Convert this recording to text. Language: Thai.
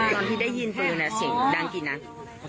ตอนที่ได้ยินปืนเสียงดังกี่นัด